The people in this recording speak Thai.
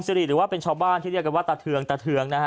หรือว่าเป็นชาวบ้านที่เรียกกันว่าตาเทืองตะเทืองนะฮะ